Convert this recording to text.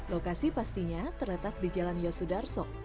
lokasi pastinya terletak di jalan yosudarso